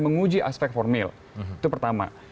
menguji aspek formil itu pertama